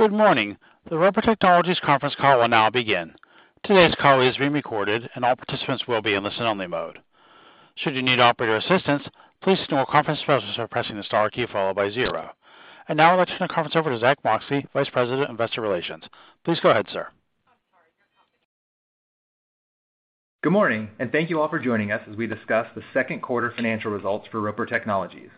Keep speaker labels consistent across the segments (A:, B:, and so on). A: Good morning. The Roper Technologies conference call will now begin. Today's call is being recorded, and all participants will be in listen-only mode. Should you need operator assistance, please signal a conference by pressing the star key, followed by 0. Now I'd like to turn the conference over to Zack Moxcey, Vice President of Investor Relations. Please go ahead, sir.
B: Good morning, thank you all for joining us as we discuss the 2nd quarter financial results for Roper Technologies.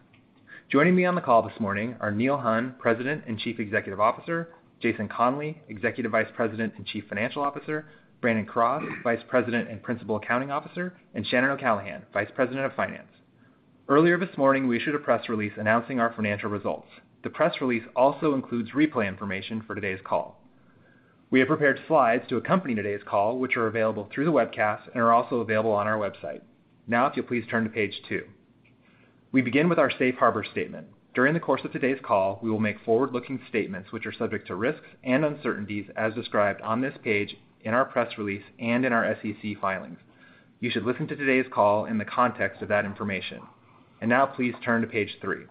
B: Joining me on the call this morning are Neil Hunn, President and Chief Executive Officer, Jason Conley, Executive Vice President and Chief Financial Officer, Brandon Cross, Vice President and Principal Accounting Officer, and Shannon O'Callaghan, Vice President of Finance. Earlier this morning, we issued a press release announcing our financial results. The press release also includes replay information for today's call. We have prepared slides to accompany today's call, which are available through the webcast and are also available on our website. If you'll please turn to Page 2. We begin with our safe harbor statement. During the course of today's call, we will make forward-looking statements, which are subject to risks and uncertainties as described on this page, in our press release, and in our SEC filings. You should listen to today's call in the context of that information. Now, please turn to Page 3.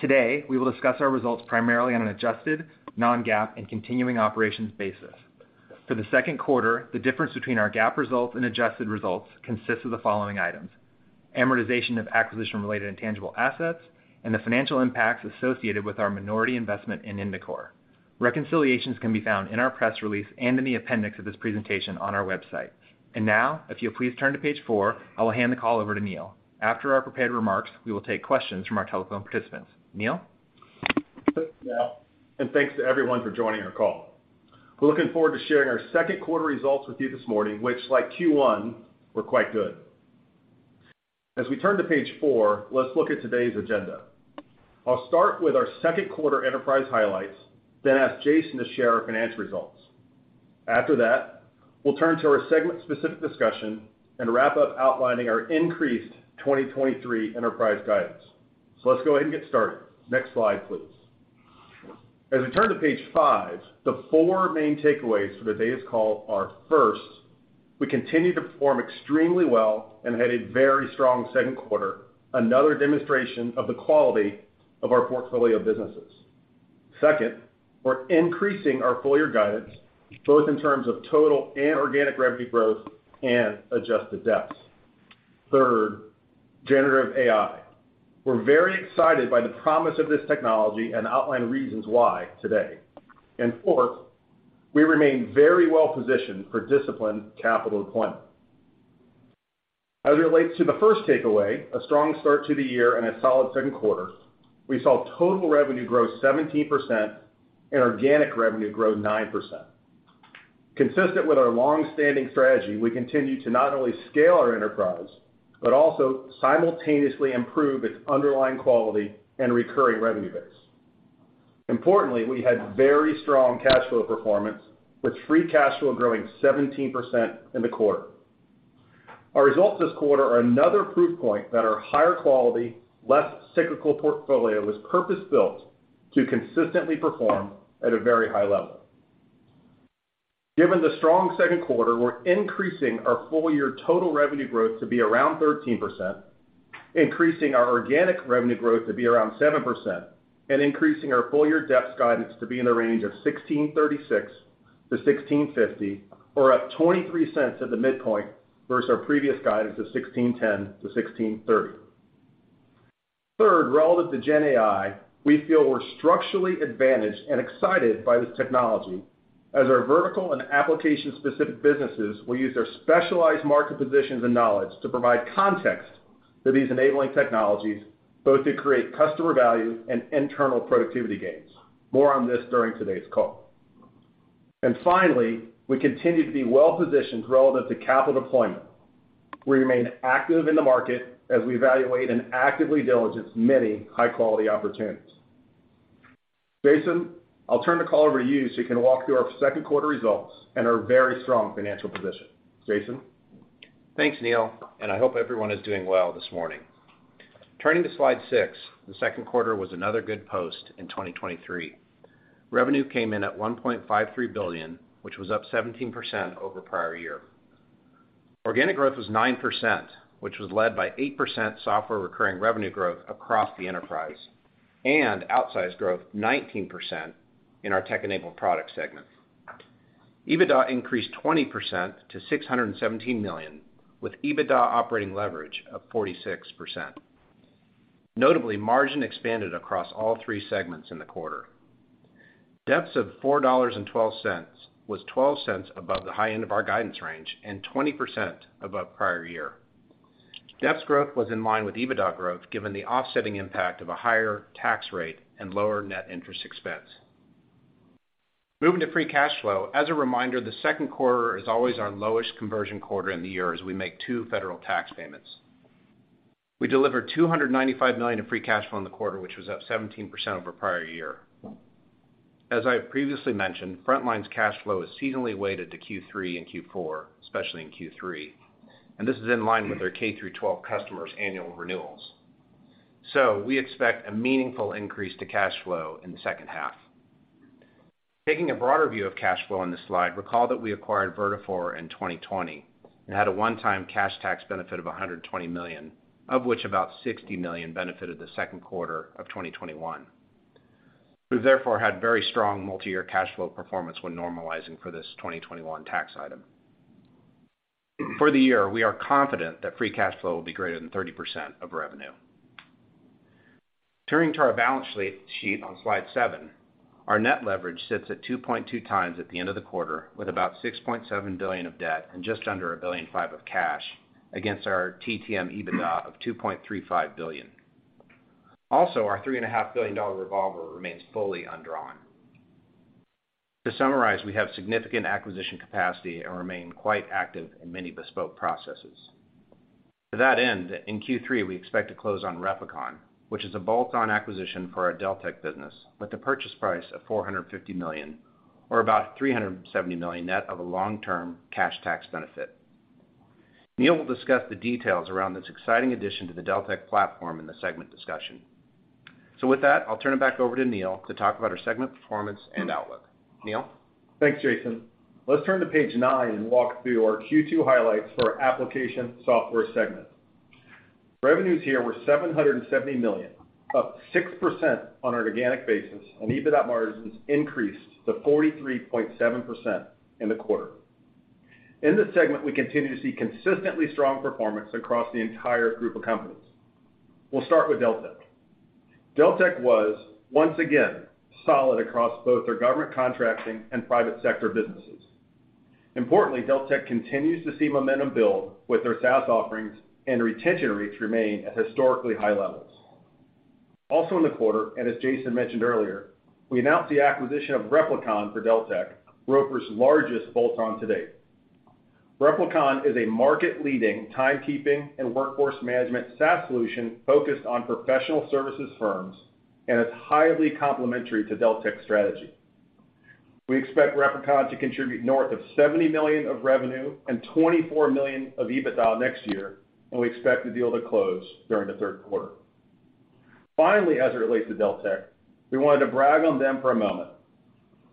B: Today, we will discuss our results primarily on an adjusted, non-GAAP, and continuing operations basis. For the second quarter, the difference between our GAAP results and adjusted results consists of the following items: amortization of acquisition-related intangible assets and the financial impacts associated with our minority investment in Indicor. Reconciliations can be found in our press release and in the appendix of this presentation on our website. Now, if you'll please turn to Page 4, I will hand the call over to Neil. After our prepared remarks, we will take questions from our telephone participants. Neil?
C: Thanks, Zack, and thanks to everyone for joining our call. We're looking forward to sharing our second quarter results with you this morning, which, like Q1, were quite good. As we turn to Page 4, let's look at today's agenda. I'll start with our second-quarter enterprise highlights, then ask Jason to share our financial results. After that, we'll turn to our segment-specific discussion and wrap up outlining our increased 2023 enterprise guidance. Let's go ahead and get started. Next slide, please. As we turn to Page 5, the four main takeaways for today's call are, first, we continue to perform extremely well and had a very strong second quarter, another demonstration of the quality of our portfolio of businesses. Second, we're increasing our full-year guidance, both in terms of total and organic revenue growth and adjusted DEPS. Third, Generative AI. We're very excited by the promise of this technology and outline reasons why today. Fourth, we remain very well positioned for disciplined capital deployment. As it relates to the first takeaway, a strong start to the year and a solid second quarter, we saw total revenue grow 17% and organic revenue grow 9%. Consistent with our long-standing strategy, we continue to not only scale our enterprise, but also simultaneously improve its underlying quality and recurring revenue base. Importantly, we had very strong cash flow performance, with free cash flow growing 17% in the quarter. Our results this quarter are another proof point that our higher quality, less cyclical portfolio was purpose-built to consistently perform at a very high level. Given the strong second quarter, we're increasing our full-year total revenue growth to be around 13%, increasing our organic revenue growth to be around 7%, and increasing our full-year DEPS guidance to be in the range of $16.36 to $16.50, or up $0.23 at the midpoint versus our previous guidance of $16.10 to $16.30. Third, relative to GenAI, we feel we're structurally advantaged and excited by this technology, as our vertical and application-specific businesses will use their specialized market positions and knowledge to provide context to these enabling technologies, both to create customer value and internal productivity gains. More on this during today's call. Finally, we continue to be well-positioned relevant to capital deployment. We remain active in the market as we evaluate and actively diligence many high-quality opportunities. Jason, I'll turn the call over to you so you can walk through our second quarter results and our very strong financial position. Jason?
D: Thanks, Neil. I hope everyone is doing well this morning. Turning to Slide 6, the second quarter was another good post in 2023. Revenue came in at $1.53 billion, which was up 17% over prior year. Organic growth was 9%, which was led by 8% software recurring revenue growth across the enterprise, and outsized growth 19% in our tech-enabled product segment. EBITDA increased 20% to $617 million, with EBITDA operating leverage of 46%. Notably, margin expanded across all three segments in the quarter. DEPS of $4.12 was $0.12 above the high end of our guidance range and 20% above prior year. DEPS growth was in line with EBITDA growth, given the offsetting impact of a higher tax rate and lower net interest expense. Moving to free cash flow, as a reminder, the second quarter is always our lowest conversion quarter in the year as we make two federal tax payments. We delivered $295 million in free cash flow in the quarter, which was up 17% over prior year. As I have previously mentioned, Frontline's cash flow is seasonally weighted to Q3 and Q4, especially in Q3. This is in line with their K-12 customers' annual renewals. We expect a meaningful increase to cash flow in the second half. Taking a broader view of cash flow on this slide, recall that we acquired Vertafore in 2020 and had a one-time cash tax benefit of $120 million, of which about $60 million benefited the second quarter of 2021. We've therefore had very strong multi-year cash flow performance when normalizing for this 2021 tax item. For the year, we are confident that free cash flow will be greater than 30% of revenue. Turning to our balance sheet on Slide 7, our net leverage sits at 2.2 times at the end of the quarter, with about $6.7 billion of debt and just under $1.5 billion of cash against our TTM EBITDA of $2.35 billion. Our $3.5 billion revolver remains fully undrawn. To summarize, we have significant acquisition capacity and remain quite active in many bespoke processes. To that end, in Q3, we expect to close on Replicon, which is a bolt-on acquisition for our Deltek business, with a purchase price of $450 million, or about $370 million net of a long-term cash tax benefit. Neil will discuss the details around this exciting addition to the Deltek platform in the segment discussion. With that, I'll turn it back over to Neil to talk about our segment performance and outlook. Neil?
C: Thanks, Jason. Let's turn to Page 9 and walk through our Q2 highlights for our application software segment. Revenues here were $770 million, up 6% on an organic basis, and EBITDA margins increased to 43.7% in the quarter. In this segment, we continue to see consistently strong performance across the entire group of companies. We'll start with Deltek. Deltek was once again solid across both their government contracting and private sector businesses. Importantly, Deltek continues to see momentum build with their SaaS offerings, and retention rates remain at historically high levels. In the quarter, as Jason mentioned earlier, we announced the acquisition of Replicon for Deltek, Roper's largest bolt-on to date. Replicon is a market-leading timekeeping and workforce management SaaS solution focused on professional services firms, and it's highly complementary to Deltek's strategy. We expect Replicon to contribute north of $70 million of revenue and $24 million of EBITDA next year. We expect the deal to close during the third quarter. As it relates to Deltek, we wanted to brag on them for a moment.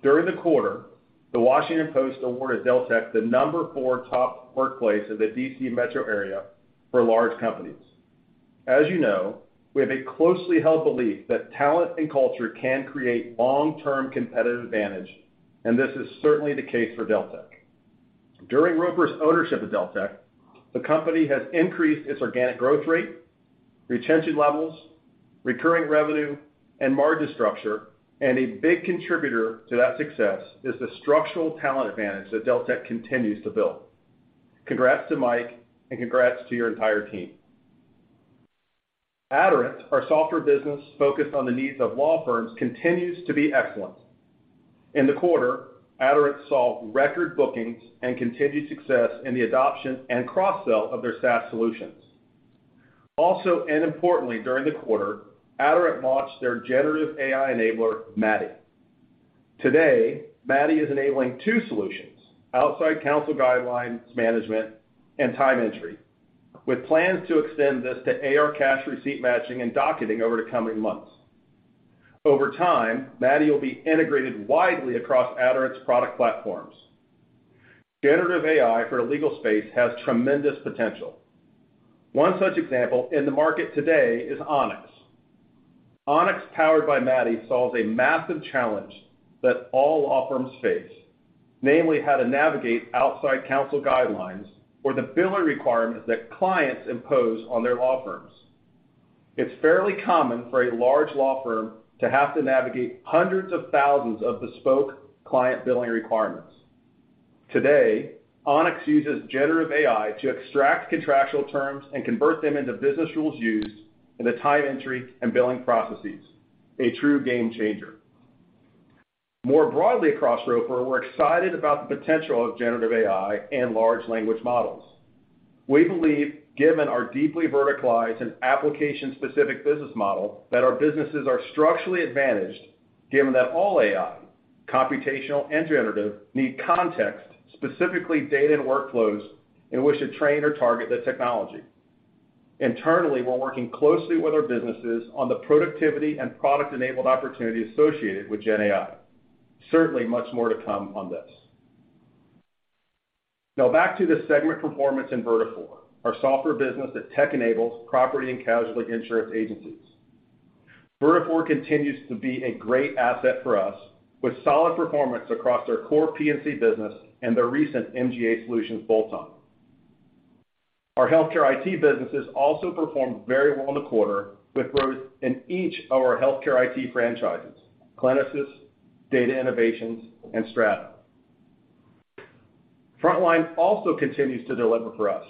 C: During the quarter, the Washington Post awarded Deltek the number four top workplace in the D.C. metro area for large companies. As you know, we have a closely held belief that talent and culture can create long-term competitive advantage. This is certainly the case for Deltek. During Roper's ownership of Deltek, the company has increased its organic growth rate, retention levels, recurring revenue, and margin structure. A big contributor to that success is the structural talent advantage that Deltek continues to build. Congrats to Mike. Congrats to your entire team. Aderant, our software business focused on the needs of law firms, continues to be excellent. In the quarter, Aderant saw record bookings and continued success in the adoption and cross-sell of their SaaS solutions. Also, and importantly, during the quarter, Aderant launched their generative AI enabler, MADDI. Today, MADDI is enabling two solutions: outside counsel guidelines management and time entry, with plans to extend this to AR cash receipt matching and docketing over the coming months. Over time, MADDI will be integrated widely across Aderant's product platforms. Generative AI for the legal space has tremendous potential. One such example in the market today is Onyx. Onyx, powered by MADDI, solves a massive challenge that all law firms face, namely, how to navigate outside counsel guidelines or the billing requirements that clients impose on their law firms. It's fairly common for a large law firm to have to navigate hundreds of thousands of bespoke client billing requirements. Today, Onyx uses generative AI to extract contractual terms and convert them into business rules used in the time entry and billing processes, a true game changer. More broadly across Roper, we're excited about the potential of generative AI and large language models. We believe, given our deeply verticalized and application-specific business model, that our businesses are structurally advantaged, given that all AI, computational and generative, need context, specifically data and workflows in which to train or target the technology. Internally, we're working closely with our businesses on the productivity and product-enabled opportunities associated with GenAI. Certainly, much more to come on this. Now back to the segment performance in Vertafore, our software business that tech-enables property and casualty insurance agencies. Vertafore continues to be a great asset for us, with solid performance across their core P&C business and their recent MGA Solutions bolt-on. Our healthcare IT businesses also performed very well in the quarter, with growth in each of our healthcare IT franchises, Clinisys, Data Innovations, and Strata. Frontline also continues to deliver for us.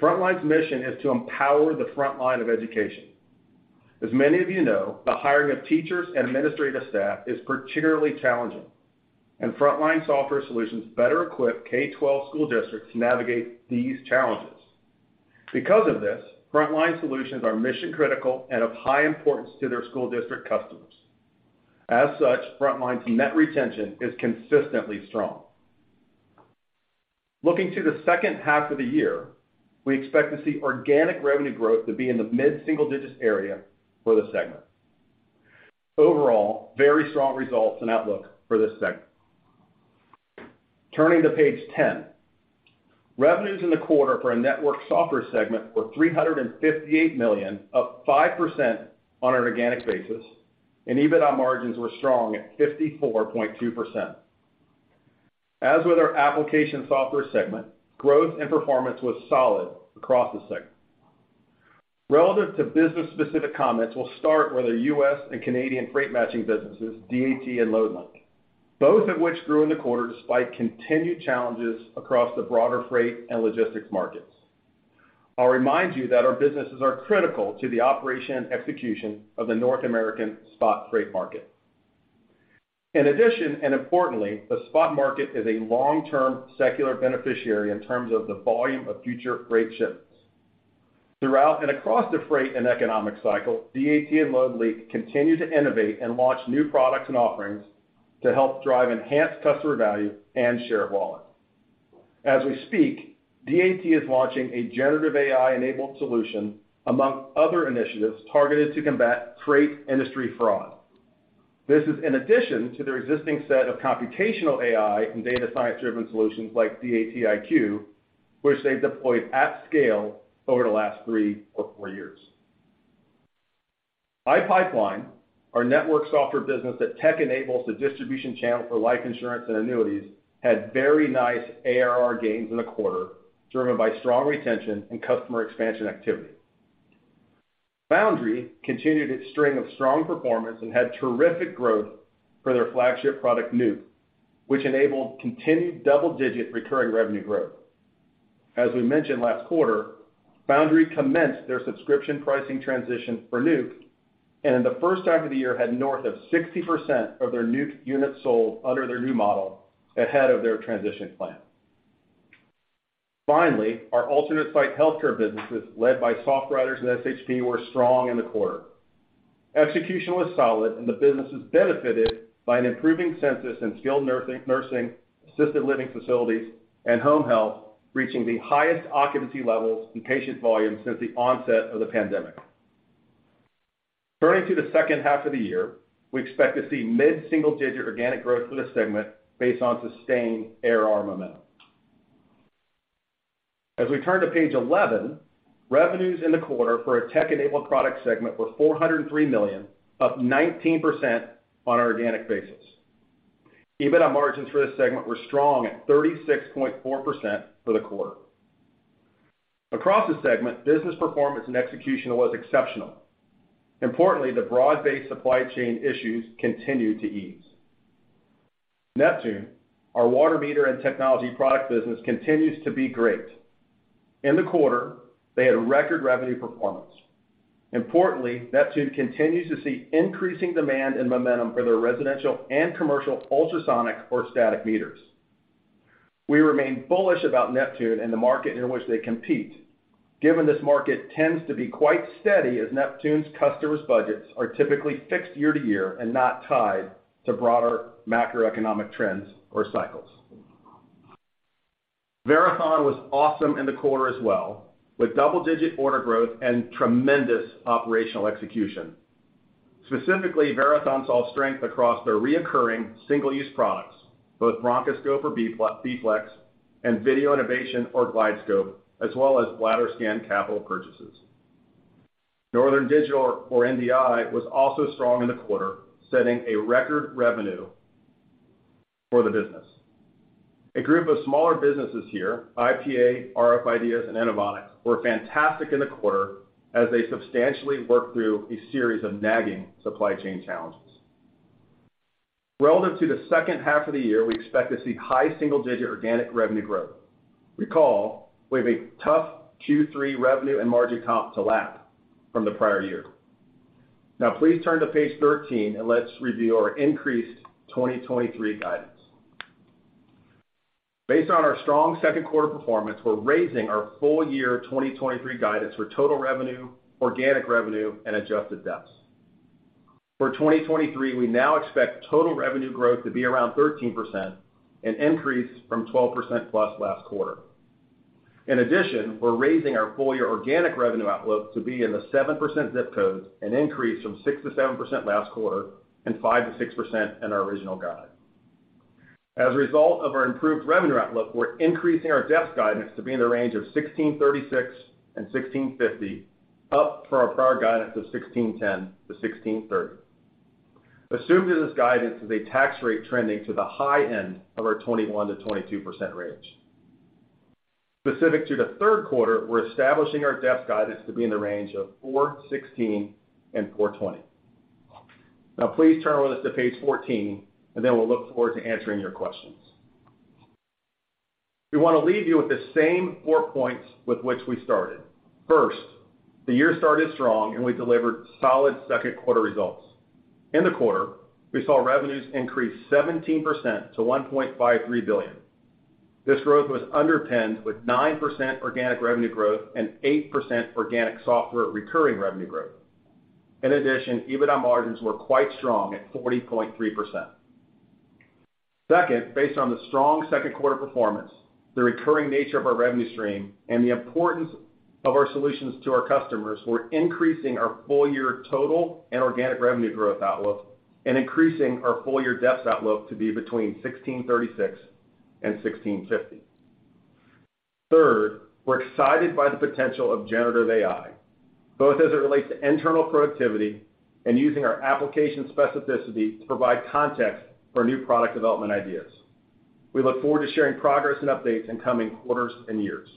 C: Frontline's mission is to empower the frontline of education. As many of you know, the hiring of teachers and administrative staff is particularly challenging, and Frontline software solutions better equip K-12 school districts to navigate these challenges. Because of this, Frontline Solutions are mission-critical and of high importance to their school district customers. As such, Frontline's net retention is consistently strong. Looking to the second half of the year, we expect to see organic revenue growth to be in the mid-single-digit area for the segment. Overall, very strong results and outlook for this segment. Turning to Page 10. Revenues in the quarter for our network software segment were $358 million, up 5% on an organic basis, and EBITDA margins were strong at 54.2%. As with our application software segment, growth and performance was solid across the segment. Relative to business-specific comments, we'll start with the U.S. and Canadian freight matching businesses, DAT and Loadlink, both of which grew in the quarter despite continued challenges across the broader freight and logistics markets. I'll remind you that our businesses are critical to the operation and execution of the North American spot freight market. In addition, and importantly, the spot market is a long-term secular beneficiary in terms of the volume of future freight shipments. Throughout the freight and economic cycle, DAT and Loadlink continue to innovate and launch new products and offerings to help drive enhanced customer value and share of wallet. As we speak, DAT is launching a generative AI-enabled solution, among other initiatives targeted to combat freight industry fraud. This is in addition to their existing set of computational AI and data science-driven solutions like DAT iQ, which they've deployed at scale over the last three or four years. iPipeline, our network software business that tech enables the distribution channel for life insurance and annuities, had very nice ARR gains in the quarter, driven by strong retention and customer expansion activity. Foundry continued its string of strong performance and had terrific growth for their flagship product, Nuke, which enabled continued double-digit recurring revenue growth. As we mentioned last quarter, Foundry commenced their subscription pricing transition for Nuke, and in the first half of the year, had north of 60% of their Nuke units sold under their new model ahead of their transition plan. Finally, our alternate site healthcare businesses, led by SoftWriters and SHP, were strong in the quarter. Execution was solid, and the businesses benefited by an improving census in skilled nursing, assisted living facilities, and home health, reaching the highest occupancy levels and patient volumes since the onset of the pandemic. Turning to the second half of the year, we expect to see mid-single-digit organic growth for the segment based on sustained ARR momentum. As we turn to Page 11, revenues in the quarter for our tech-enabled product segment were $403 million, up 19% on an organic basis. EBITDA margins for this segment were strong at 36.4% for the quarter. Across the segment, business performance and execution was exceptional. Importantly, the broad-based supply chain issues continued to ease. Neptune, our water meter and technology product business, continues to be great. In the quarter, they had a record revenue performance. Importantly, Neptune continues to see increasing demand and momentum for their residential and commercial ultrasonic or static meters. We remain bullish about Neptune and the market in which they compete, given this market tends to be quite steady, as Neptune's customers' budgets are typically fixed year to year and not tied to broader macroeconomic trends or cycles. Verathon was awesome in the quarter as well, with double-digit order growth and tremendous operational execution. Specifically, Verathon saw strength across their recurring single-use products, both Bronchoscope or Bflex, and video innovation or GlideScope, as well as BladderScan capital purchases. Northern Digital, or NDI, was also strong in the quarter, setting a record revenue for the business. A group of smaller businesses here, IPA, rf IDEAS, and Inovonics, were fantastic in the quarter as they substantially worked through a series of nagging supply chain challenges. Relative to the second half of the year, we expect to see high single-digit organic revenue growth. Recall, we have a tough Q3 revenue and margin comp to lap from the prior year. Please turn to Page 13, and let's review our increased 2023 guidance. Based on our strong second quarter performance, we're raising our full year 2023 guidance for total revenue, organic revenue, and adjusted DEPS. For 2023, we now expect total revenue growth to be around 13%, an increase from 12%+ last quarter. In addition, we're raising our full year organic revenue outlook to be in the 7% zip code, an increase from 6%-7% last quarter and 5%-6% in our original guide. As a result of our improved revenue outlook, we're increasing our DEPS guidance to be in the range of $16.36 and $16.50, up from our prior guidance of $16.10-$16.30. Assumed in this guidance is a tax rate trending to the high end of our 21%-22% range. Specific to the 3rd quarter, we're establishing our DEPS guidance to be in the range of $4.16 and $4.20. Please turn with us to Page 14. We'll look forward to answering your questions. We want to leave you with the same 4 points with which we started. First, the year started strong and we delivered solid second quarter results. In the quarter, we saw revenues increase 17% to $1.53 billion. This growth was underpinned with 9% organic revenue growth and 8% organic software recurring revenue growth. EBITDA margins were quite strong at 40.3%. Second, based on the strong second quarter performance, the recurring nature of our revenue stream, and the importance of our solutions to our customers, we're increasing our full year total and organic revenue growth outlook, and increasing our full year DEPS outlook to be between $16.36 and $16.50. Third, we're excited by the potential of generative AI, both as it relates to internal productivity and using our application specificity to provide context for new product development ideas. We look forward to sharing progress and updates in coming quarters and years.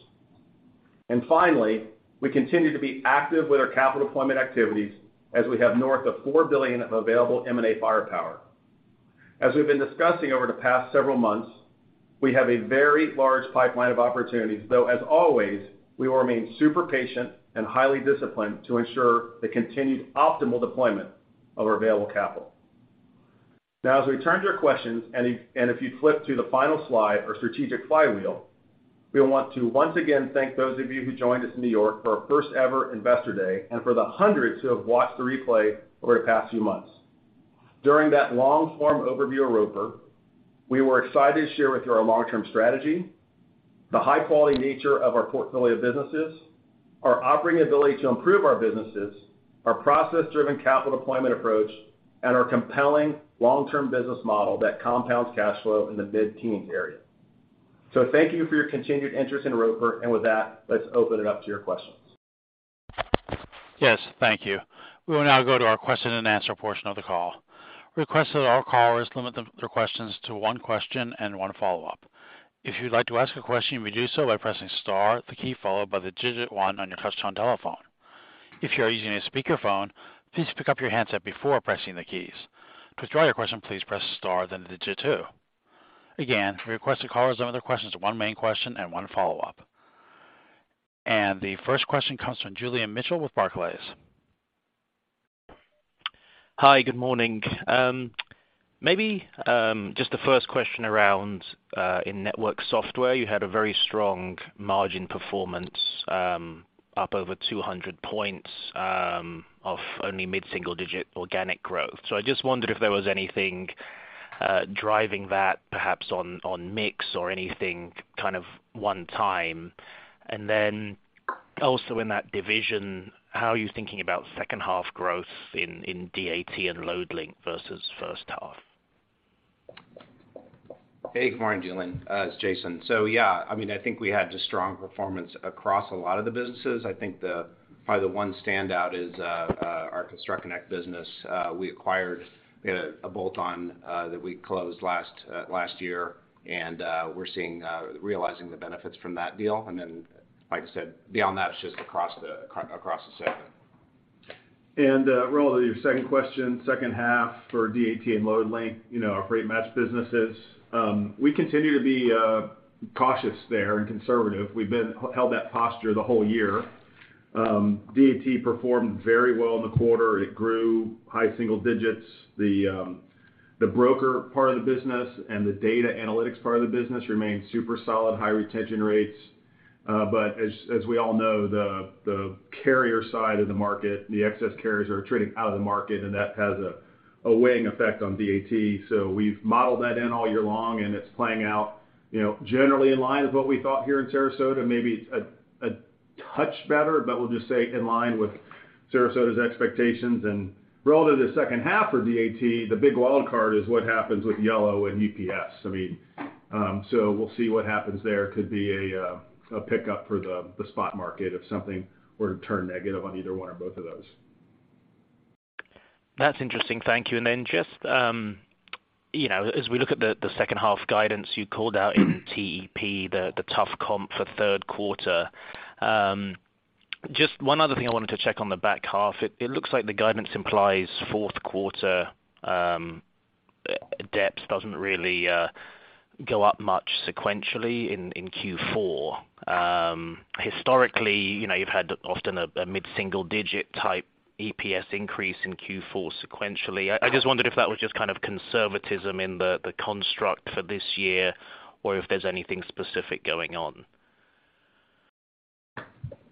C: Finally, we continue to be active with our capital deployment activities as we have north of $4 billion of available M&A firepower. As we've been discussing over the past several months, we have a very large pipeline of opportunities, though, as always, we will remain super patient and highly disciplined to ensure the continued optimal deployment of our available capital. As we turn to your questions, and if you flip to the final slide, our strategic flywheel, we want to once again thank those of you who joined us in New York for our first-ever Investor Day and for the hundreds who have watched the replay over the past few months. During that long form overview of Roper, we were excited to share with you our long-term strategy, the high-quality nature of our portfolio of businesses, our operating ability to improve our businesses, our process-driven capital deployment approach, and our compelling long-term business model that compounds cash flow in the mid-teens area. Thank you for your continued interest in Roper, with that, let's open it up to your questions.
A: Yes, thank you. We will now go to our question-and-answer portion of the call. Request that all callers limit their questions to one question and one follow-up. If you'd like to ask a question, you may do so by pressing star, the key followed by the digit 1 on your touchtone telephone. If you are using a speakerphone, please pick up your handset before pressing the keys. To withdraw your question, please press star, then the digit 2. Again, we request that callers limit their questions to one main question and one follow-up. The first question comes from Julian Mitchell with Barclays.
E: Hi, good morning. Maybe just the first question around in network software, you had a very strong margin performance, up over 200 basis points, of only mid-single-digit organic growth. I just wondered if there was anything driving that, perhaps on mix or anything kind of one time. Also in that division, how are you thinking about second half growth in DAT and Loadlink versus first half?
D: Good morning, Julian. It's Jason. Yeah, I mean, I think we had a strong performance across a lot of the businesses. Probably the one standout is our ConstructConnect business. We acquired, we had a bolt-on that we closed last year, we're seeing realizing the benefits from that deal. Then, like I said, beyond that, it's just across the segment.
C: Relevant to your second question, second half for DAT and Loadlink, you know, are pretty much businesses. We continue to be cautious there and conservative. Held that posture the whole year. DAT performed very well in the quarter. It grew high single digits. The broker part of the business and the data analytics part of the business remained super solid, high retention rates. As we all know, the carrier side of the market, the excess carriers, are trading out of the market, and that has a weighing effect on DAT. We've modeled that in all year long, and it's playing out, you know, generally in line with what we thought here in Sarasota. Maybe a touch better, but we'll just say in line with Sarasota's expectations. Relevant to the second half for DAT, the big wild card is what happens with Yellow and UPS. I mean, we'll see what happens there. Could be a pickup for the spot market if something were to turn negative on either one or both of those.
E: That's interesting. Thank you. Just, you know, as we look at the second half guidance you called out in TEP, the tough comp for third quarter, just one other thing I wanted to check on the back half. It looks like the guidance implies fourth quarter DEPS doesn't really go up much sequentially in Q4. Historically, you know, you've had often a mid-single digit type EPS increase in Q4 sequentially. I just wondered if that was just kind of conservatism in the construct for this year, or if there's anything specific going on.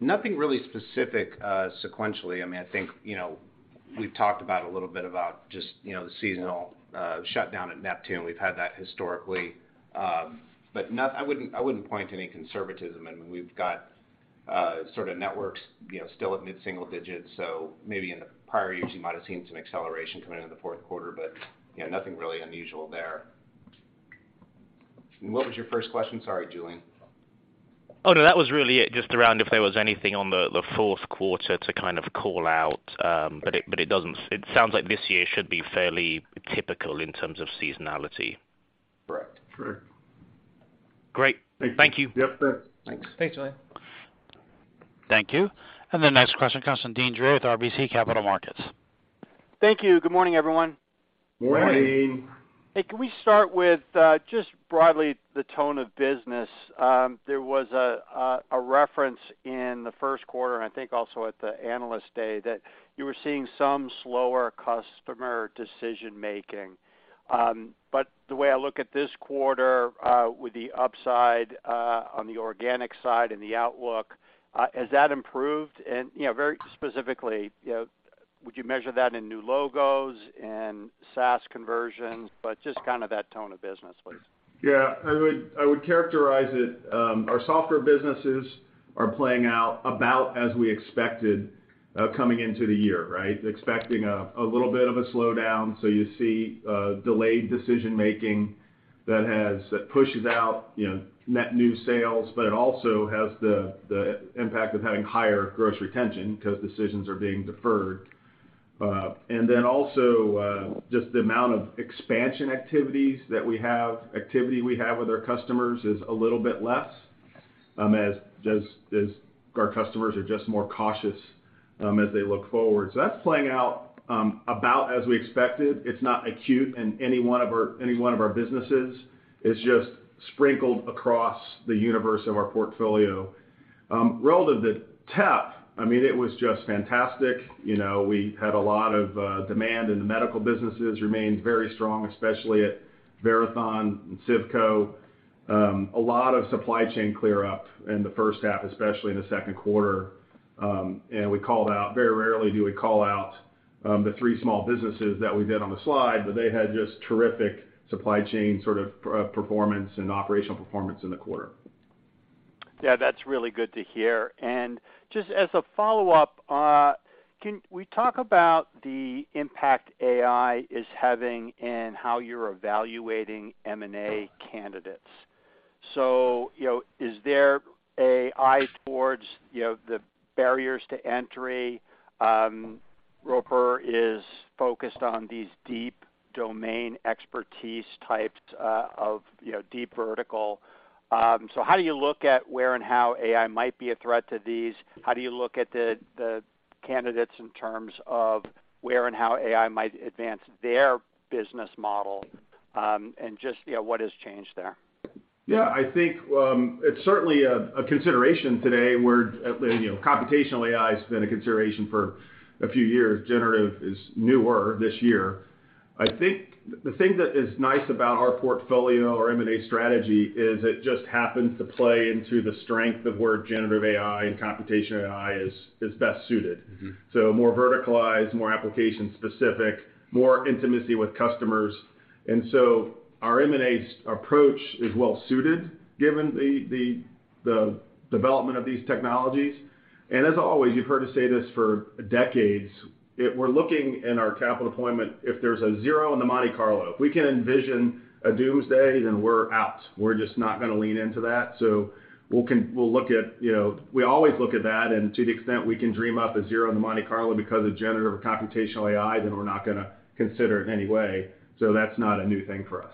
D: Nothing really specific, sequentially. I mean, I think, you know, we've talked about a little bit about just, you know, the seasonal shutdown at Neptune. We've had that historically. I wouldn't point to any conservatism. I mean, we've got sort of networks, you know, still at mid-single digits, so maybe in the prior years, you might have seen some acceleration coming into the fourth quarter, but, you know, nothing really unusual there. What was your first question? Sorry, Julian.
E: That was really it. Just around if there was anything on the fourth quarter to kind of call out, it doesn't. It sounds like this year should be fairly typical in terms of seasonality.
D: Correct.
C: Correct.
E: Great.
C: Thank you.
E: Thank you.
C: Yep, thanks.
D: Thanks.
A: Thank you. The next question comes from Deane Dray with RBC Capital Markets.
F: Thank you. Good morning, everyone.
C: Morning.
D: Good morning.
F: Hey, can we start with just broadly the tone of business? There was a reference in the first quarter, and I think also at the Analyst Day, that you were seeing some slower customer decision-making. The way I look at this quarter, with the upside, on the organic side and the outlook, has that improved? You know, very specifically, would you measure that in new logos, in SaaS conversions? Just kind of that tone of business, please.
C: I would characterize it, our software businesses are playing out about as we expected, coming into the year, right? Expecting a little bit of a slowdown. You see delayed decision-making that pushes out, you know, net new sales, but it also has the impact of having higher gross retention because decisions are being deferred. Then also, just the amount of expansion activities that we have, activity we have with our customers is a little bit less, as our customers are just more cautious, as they look forward. That's playing out about as we expected. It's not acute in any one of our businesses. It's just sprinkled across the universe of our portfolio. Relative to TEP, I mean, it was just fantastic. You know, we had a lot of demand, and the medical businesses remained very strong, especially at Verathon and CIVCO. A lot of supply chain clear up in the first half, especially in the second quarter. We called out. Very rarely do we call out the three small businesses that we did on the slide, but they had just terrific supply chain sort of performance and operational performance in the quarter.
F: Yeah, that's really good to hear. Just as a follow-up, can we talk about the impact AI is having in how you're evaluating M&A candidates? You know, is there AI towards, you know, the barriers to entry? Roper is focused on these deep domain expertise types, of, you know, deep vertical. How do you look at where and how AI might be a threat to these? How do you look at the candidates in terms of where and how AI might advance their business model? Just, you know, what has changed there?
C: Yeah, I think, it's certainly a consideration today, where, you know, computational AI has been a consideration for a few years. Generative is newer this year. I think the thing that is nice about our portfolio or M&A strategy is it just happens to play into the strength of where generative AI and computational AI is best suited.
F: Mm-hmm.
C: More verticalized, more application-specific, more intimacy with customers. Our M&A approach is well suited, given the development of these technologies. As always, you've heard us say this for decades, if we're looking in our capital deployment, if there's a zero in the Monte Carlo, if we can envision a doomsday, then we're out. We're just not gonna lean into that. We'll look at, you know. We always look at that, and to the extent we can dream up a zero in the Monte Carlo because of generative AI or computational AI, then we're not gonna consider it in any way. That's not a new thing for us.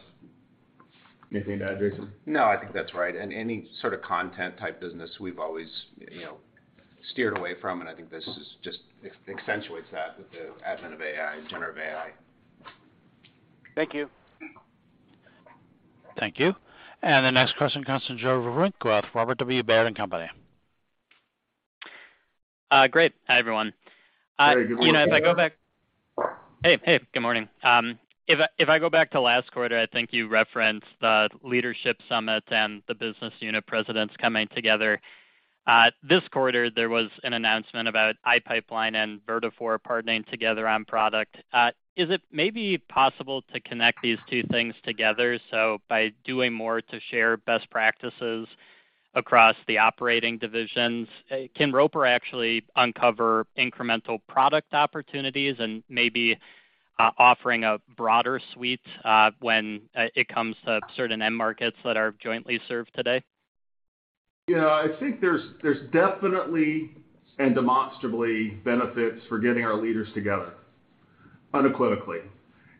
C: Anything to add, Jason?
D: No, I think that's right. Any sort of content type business, we've always, you know, steered away from, and I think this just accentuates that with the advent of AI, generative AI.
F: Thank you.
A: Thank you. The next question comes from Joe Vruwink with Robert W. Baird & Co.
G: Great. Hi, everyone.
C: Hey, good morning.
G: Hey, hey, good morning. If I go back to last quarter, I think you referenced the leadership summit and the business unit presidents coming together. This quarter, there was an announcement about iPipeline and Vertafore partnering together on product. Is it maybe possible to connect these two things together? By doing more to share best practices across the operating divisions, can Roper actually uncover incremental product opportunities and maybe offering a broader suite when it comes to certain end markets that are jointly served today?
C: Yeah, I think there's definitely and demonstrably benefits for getting our leaders together, unequivocally.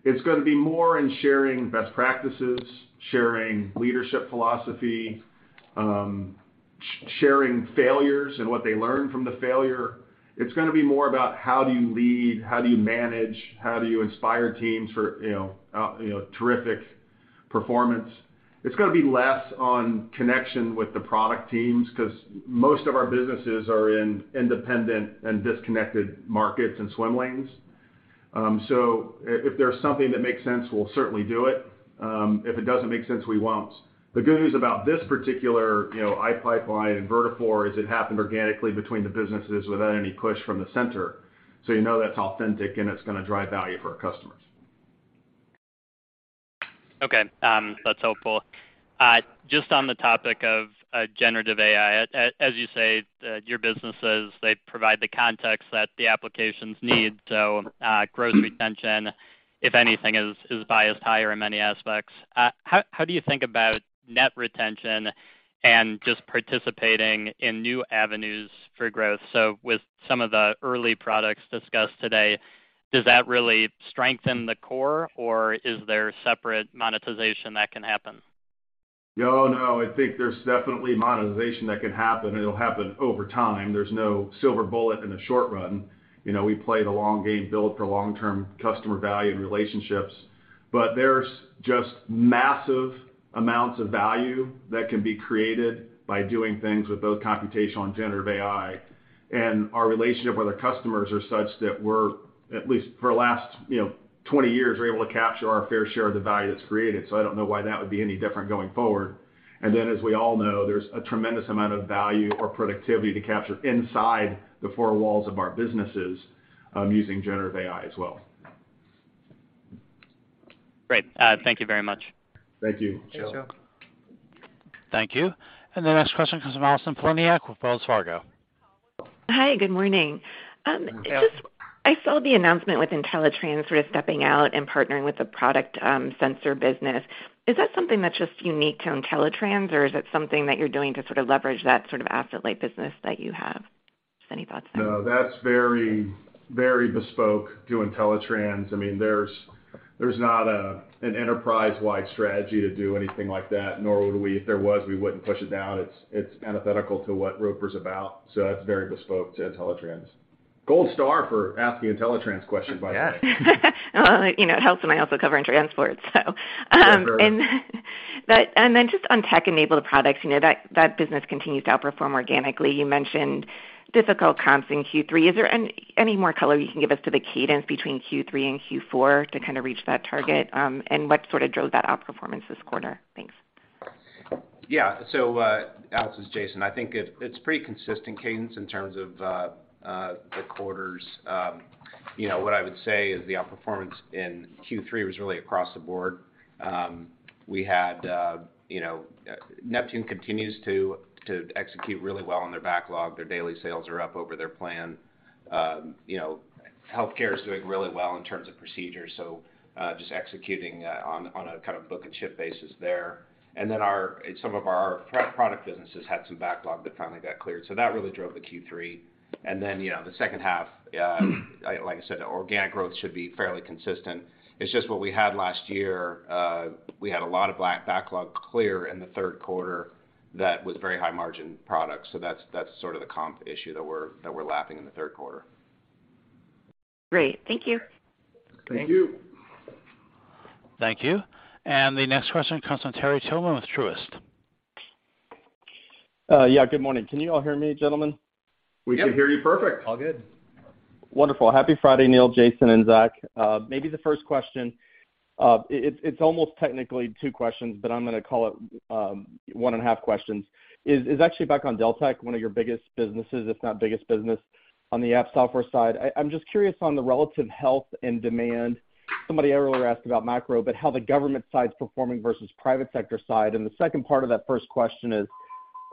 C: It's gonna be more in sharing best practices, sharing leadership philosophy, sharing failures and what they learned from the failure. It's gonna be more about how do you lead, how do you manage, how do you inspire teams for, you know, terrific performance. It's gonna be less on connection with the product teams, 'cause most of our businesses are in independent and disconnected markets and swim lanes. So if there's something that makes sense, we'll certainly do it. If it doesn't make sense, we won't. The good news about this particular, you know, iPipeline and Vertafore, is it happened organically between the businesses without any push from the center. You know that's authentic, and it's gonna drive value for our customers.
G: That's helpful. Just on the topic of generative AI, as you say, your businesses, they provide the context that the applications need, growth retention, if anything, is biased higher in many aspects. How do you think about net retention and just participating in new avenues for growth? With some of the early products discussed today, does that really strengthen the core, or is there separate monetization that can happen?
C: No, no, I think there's definitely monetization that can happen. It'll happen over time. There's no silver bullet in the short run. You know, we play the long game, build for long-term customer value and relationships. There's just massive amounts of value that can be created by doing things with both computational and generative AI. Our relationship with our customers are such that we're, at least for the last, you know, 20 years, we're able to capture our fair share of the value that's created. I don't know why that would be any different going forward. As we all know, there's a tremendous amount of value or productivity to capture inside the four walls of our businesses, using generative AI as well.
G: Great. Thank you very much.
C: Thank you.
D: Thank you. Thank you. The next question comes from Allison Poliniak with Wells Fargo.
H: Hi, good morning. Just I saw the announcement with IntelliTrans sort of stepping out and partnering with the product, sensor business. Is that something that's just unique to IntelliTrans, or is it something that you're doing to sort of leverage that sort of asset-light business that you have? Just any thoughts there.
C: No, that's very, very bespoke to IntelliTrans. I mean, there's not an enterprise-wide strategy to do anything like that. If there was, we wouldn't push it down. It's antithetical to what Roper's about, so that's very bespoke to IntelliTrans. Gold star for asking IntelliTrans question, by the way.
H: you know, it helps when I also cover in transport, so.
C: Sure.
H: Just on tech-enabled products, you know, that business continues to outperform organically. You mentioned difficult comps in Q3. Is there any more color you can give us to the cadence between Q3 and Q4 to kind of reach that target, and what sort of drove that outperformance this quarter? Thanks.
D: Allison, it's Jason Conley. I think it's pretty consistent cadence in terms of the quarters. You know, what I would say is the outperformance in Q3 was really across the board. We had, you know, Neptune continues to execute really well on their backlog. Their daily sales are up over their plan. You know, healthcare is doing really well in terms of procedures, just executing on a kind of book and ship basis there. Our, some of our product businesses had some backlog that finally got cleared, that really drove the Q3. You know, the second half, like I said, organic growth should be fairly consistent. It's just what we had last year, we had a lot of black backlog clear in the third quarter that was very high margin products. That's sort of the comp issue that we're lapping in the third quarter.
H: Great. Thank you.
C: Thank you.
D: Thank you. The next question comes from Terry Tillman with Truist.
I: Yeah, good morning. Can you all hear me, gentlemen?
C: We can hear you perfect.
D: All good.
I: Wonderful. Happy Friday, Neil, Jason, and Zach. Maybe the first question, it's almost technically two questions, but I'm gonna call it one and a half questions. actually back on Deltek, one of your biggest businesses, if not biggest business on the app software side. I'm just curious on the relative health and demand. Somebody earlier asked about macro, but how the government side's performing versus private sector side. The second part of that first question is,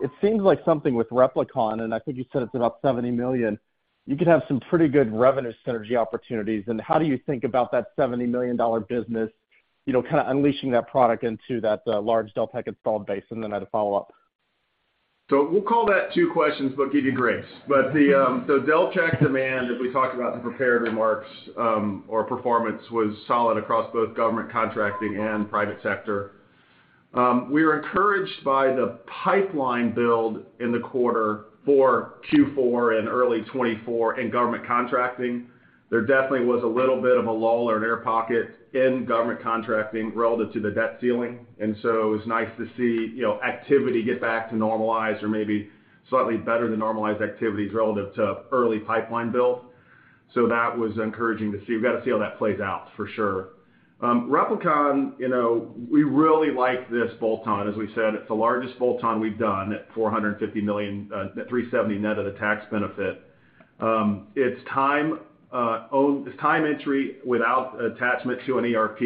I: it seems like something with Replicon, and I think you said it's about $70 million, you could have some pretty good revenue synergy opportunities. How do you think about that $70 million business, you know, kind of unleashing that product into that large Deltek installed base, and then I had a follow-up.
C: We'll call that 2 questions, but give you grace. Deltek demand, as we talked about in the prepared remarks, or performance, was solid across both government contracting and private sector. We are encouraged by the pipeline build in the quarter for Q4 and early 2024 in government contracting. There definitely was a little bit of a lull or an air pocket in government contracting relative to the debt ceiling, it's nice to see, you know, activity get back to normalized or maybe slightly better than normalized activities relative to early pipeline build. That was encouraging to see. We've got to see how that plays out, for sure. Replicon, you know, we really like this bolt-on. As we said, it's the largest bolt-on we've done at $450 million, $370 net of the tax benefit. It's time entry without attachment to an ERP.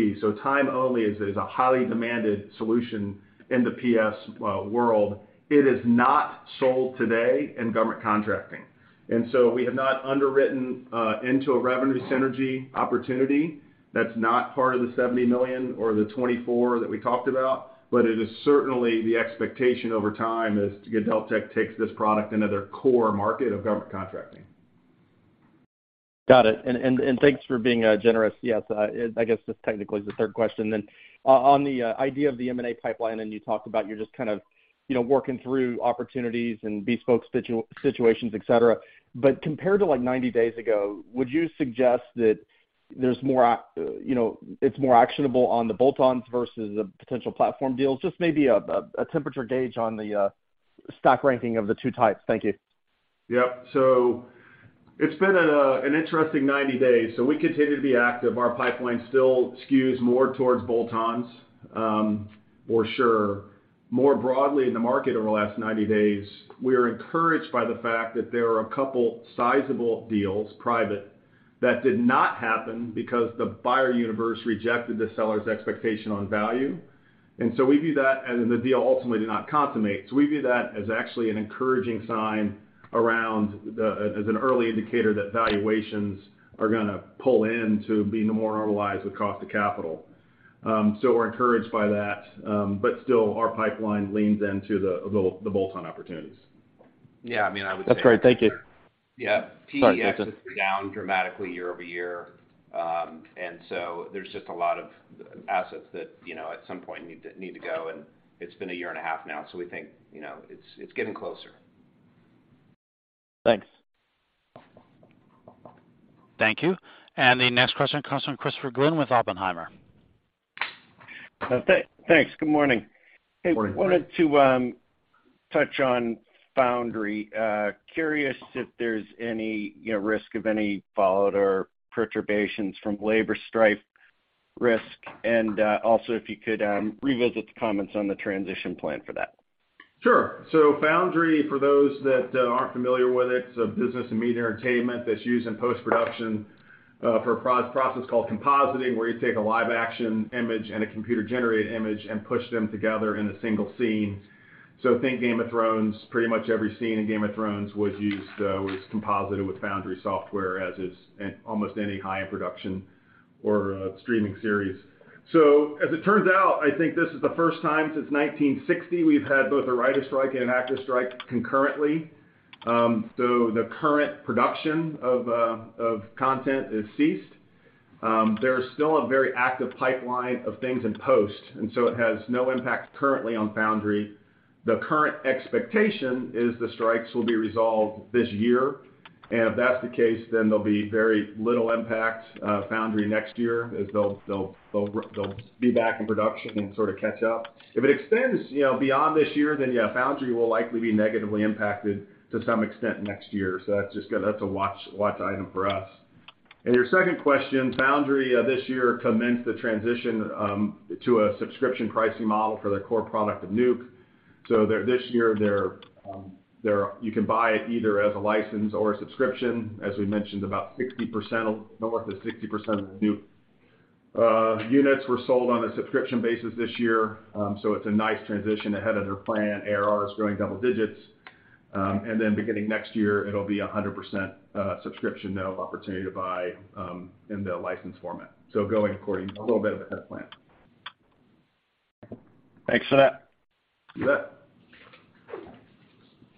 C: Time only is a highly demanded solution in the PS world. It is not sold today in government contracting. We have not underwritten into a revenue synergy opportunity. That's not part of the $70 million or the $24 million that we talked about. It is certainly the expectation over time as Deltek takes this product into their core market of government contracting.
I: Got it. Thanks for being generous. Yes, I guess this technically is the third question then. On the idea of the M&A pipeline, you talked about you're just kind of, you know, working through opportunities and bespoke situations, et cetera. Compared to, like, 90 days ago, would you suggest that there's more, you know, it's more actionable on the bolt-ons versus the potential platform deals? Just maybe a temperature gauge on the stock ranking of the two types. Thank you.
C: Yep. It's been a, an interesting 90 days, so we continue to be active. Our pipeline still skews more towards bolt-ons, for sure. More broadly in the market over the last 90 days, we are encouraged by the fact that there are a couple sizable deals, private, that did not happen because the buyer universe rejected the seller's expectation on value. We view that as the deal ultimately did not consummate. We view that as actually an encouraging sign as an early indicator that valuations are gonna pull in to being more normalized with cost of capital. We're encouraged by that, but still, our pipeline leans into the bolt-on opportunities.
D: Yeah, I mean, I would say.
I: That's great. Thank you.
D: Yeah.
I: Sorry, Jason.
D: PEF is down dramatically year-over-year. There's just a lot of assets that, you know, at some point need to go, and it's been a year and a half now, so we think, you know, it's getting closer.
I: Thanks.
D: Thank you. The next question comes from Christopher Glynn with Oppenheimer.
J: thanks. Good morning.
C: Good morning.
J: Hey, wanted to touch on Foundry. Curious if there's any, you know, risk of any fallout or perturbations from labor strife risk, and also if you could revisit the comments on the transition plan for that?
C: Sure. Foundry, for those that aren't familiar with it's a business and media entertainment that's used in post-production for a process called compositing, where you take a live-action image and a computer-generated image and push them together in a single scene. Think Game of Thrones. Pretty much every scene in Game of Thrones was used, was composited with Foundry software, as is, in almost any high-end production or streaming series. As it turns out, I think this is the first time since 1960, we've had both a writer strike and an actor strike concurrently. The current production of content is ceased. There's still a very active pipeline of things in post, it has no impact currently on Foundry. The current expectation is the strikes will be resolved this year, and if that's the case, then there'll be very little impact, Foundry next year, as they'll be back in production and sort of catch up. If it extends, you know, beyond this year, yeah, Foundry will likely be negatively impacted to some extent next year. That's just a watch item for us. Your second question, Foundry, this year commenced the transition to a subscription pricing model for their core product of Nuke. This year, you can buy it either as a license or a subscription. As we mentioned, about 60% of, north of 60% of Nuke units were sold on a subscription basis this year. It's a nice transition ahead of their plan. ARR is growing double digits. Beginning next year, it'll be 100% subscription, no opportunity to buy, in the license format. Going according to a little bit of a head plan.
J: Thanks for that.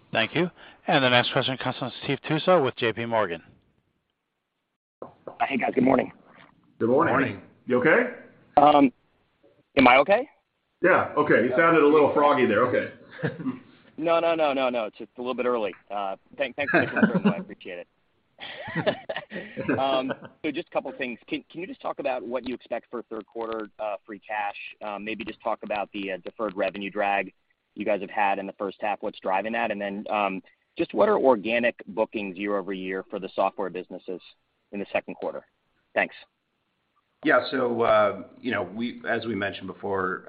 C: You bet.
A: Thank you. The next question comes from Steve Tusa with J.P. Morgan.
K: Hey, guys. Good morning.
C: Good morning.
D: Good morning.
C: You okay?
K: Am I okay?
C: Yeah. Okay. You sounded a little froggy there. Okay.
K: No, no, no. It's just a little bit early. thanks for the concern. I appreciate it. Just a couple of things. Can you just talk about what you expect for third quarter, free cash? Maybe just talk about the deferred revenue drag you guys have had in the first half, what's driving that? Just what are organic bookings year-over-year for the software businesses in the second quarter? Thanks.
D: Yeah. You know, as we mentioned before,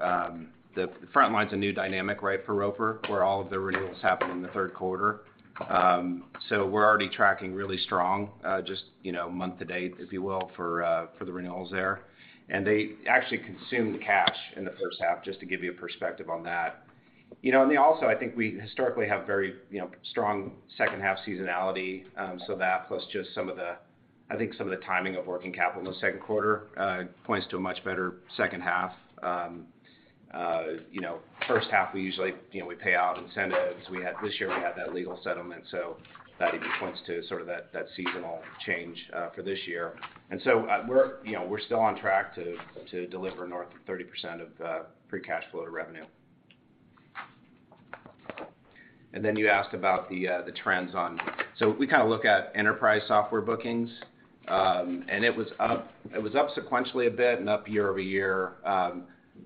D: the Frontline is a new dynamic, right, for Roper, where all of the renewals happen in the third quarter. We're already tracking really strong, just, you know, month to date, if you will, for the renewals there. They actually consume cash in the first half, just to give you a perspective on that. You know, I think we historically have very, you know, strong second-half seasonality. That plus just I think some of the timing of working capital in the second quarter, points to a much better second half. You know, first half, we usually, you know, we pay out incentives. We had this year, we had that legal settlement, so that even points to sort of that seasonal change for this year. We're, you know, we're still on track to deliver north of 30% of free cash flow to revenue. You asked about the trends on. We kinda look at enterprise software bookings, and it was up sequentially a bit and up year-over-year,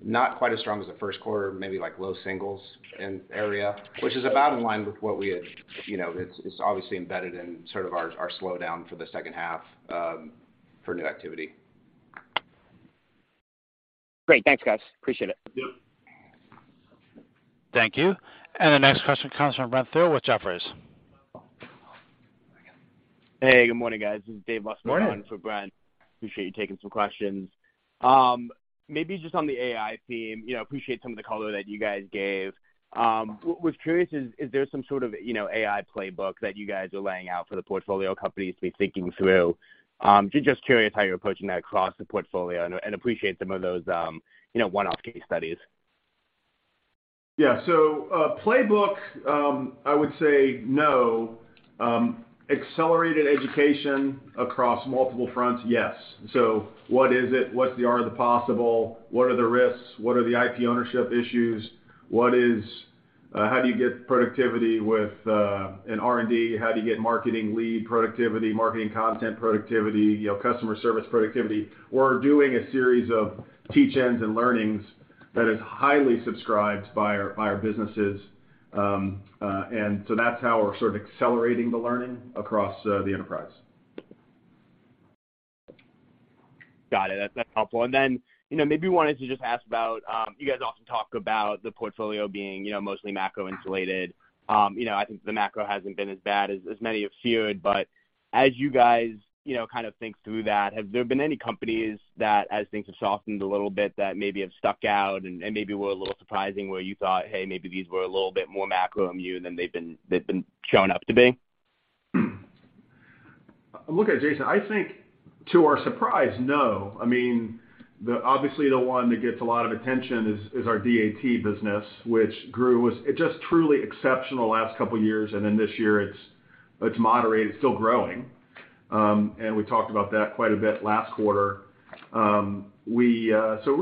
D: not quite as strong as the first quarter, maybe like low singles in area, which is about in line with what we had. You know, it's obviously embedded in sort of our slowdown for the second half for new activity.
K: Great. Thanks, guys. Appreciate it.
D: Yep.
A: Thank you. The next question comes from Brent Thill with Jefferies.
L: Hey, good morning, guys. This is Dave Bustamante-
C: Good morning.
L: -for Brent. Appreciate you taking some questions. Maybe just on the AI theme, you know, appreciate some of the color that you guys gave. What was curious is there some sort of, you know, AI playbook that you guys are laying out for the portfolio companies to be thinking through? Just curious how you're approaching that across the portfolio and appreciate some of those, you know, one-off case studies.
C: Yeah. Playbook, I would say no. Accelerated education across multiple fronts, yes. What is it? What's the art of the possible? What are the risks? What are the IP ownership issues? How do you get productivity with an R&D? How do you get marketing lead productivity, marketing content productivity, you know, customer service productivity? We're doing a series of teach-ins and learnings that is highly subscribed by our, by our businesses. That's how we're sort of accelerating the learning across the enterprise.
L: Got it. That's helpful. You know, maybe wanted to just ask about, you guys often talk about the portfolio being, you know, mostly macro-insulated. You know, I think the macro hasn't been as bad as many have feared, as you guys, you know, kind of think through that, have there been any companies that, as things have softened a little bit, that maybe have stuck out and maybe were a little surprising, where you thought, "Hey, maybe these were a little bit more macro immune than they've been shown up to be?
C: Look, Jason, I think to our surprise, no. I mean, obviously, the one that gets a lot of attention is our DAT business. It's just truly exceptional last couple of years, and then this year it's moderated. It's still growing. We talked about that quite a bit last quarter. We.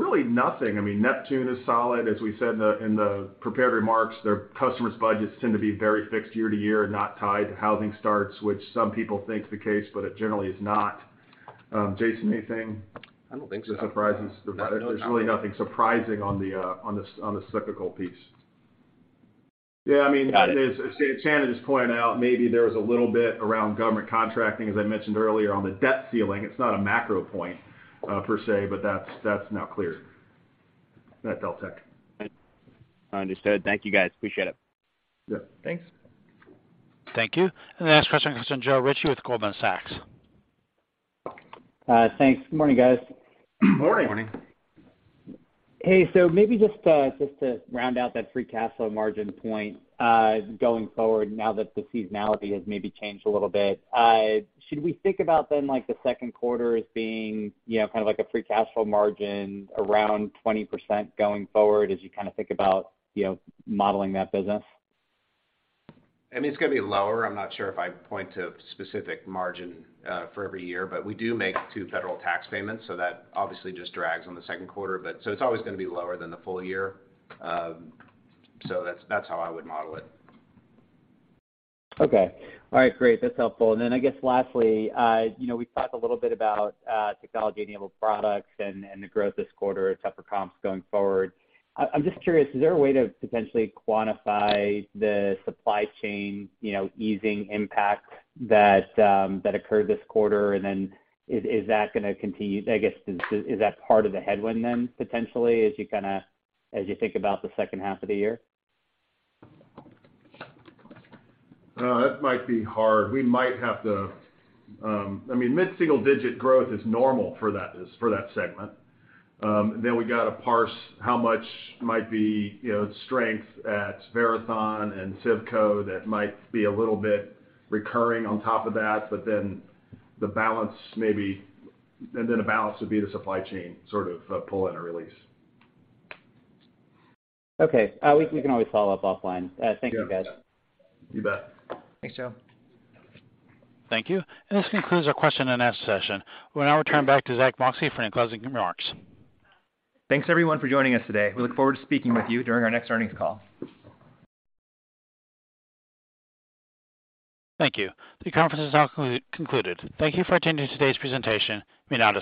C: Really nothing. I mean, Neptune is solid. As we said in the prepared remarks, their customers' budgets tend to be very fixed year to year and not tied to housing starts, which some people think is the case, but it generally is not. Jason, anything?
D: I don't think so.
C: Any surprises?
D: No, not really. There's really nothing surprising on the cyclical piece. Yeah, I mean.
L: Got it....
C: as Shannon just pointed out, maybe there was a little bit around government contracting, as I mentioned earlier, on the debt ceiling. It's not a macro point, per se, but that's now clear. At Deltek.
L: Understood. Thank you, guys. Appreciate it.
C: Yeah.
D: Thanks.
A: Thank you. The next question comes from Joe Ritchie with Goldman Sachs.
M: Thanks. Good morning, guys.
C: Good morning.
D: Good morning.
M: Maybe just to round out that free cash flow margin point, going forward now that the seasonality has maybe changed a little bit. Should we think about then, like, the second quarter as being, you know, kind of like a free cash flow margin around 20% going forward as you kinda think about, you know, modeling that business?
D: I mean, it's gonna be lower. I'm not sure if I'd point to a specific margin for every year, but we do make two federal tax payments, so that obviously just drags on the second quarter. So it's always gonna be lower than the full year. So that's how I would model it.
M: Okay. All right, great. That's helpful. I guess lastly, you know, we talked a little bit about technology-enabled products and the growth this quarter, tougher comps going forward. I'm just curious, is there a way to potentially quantify the supply chain, you know, easing impact that occurred this quarter? Is that gonna continue? I guess, is that part of the headwind then, potentially, as you think about the second half of the year?
C: That might be hard. We might have to, I mean, mid-single-digit growth is normal for that, for that segment. We got to parse how much might be, you know, strength at Verathon and CIVCO that might be a little bit recurring on top of that, and then the balance would be the supply chain, sort of, pull in a release.
M: Okay. We can always follow up offline. Thank you, guys.
C: You bet.
D: Thanks, Joe.
A: Thank you. This concludes our question-and-answer session. We'll now return back to Zack Moxcey for any closing remarks.
D: Thanks, everyone, for joining us today. We look forward to speaking with you during our next earnings call.
A: Thank you. The conference is now concluded. Thank you for attending today's presentation. You may now disconnect.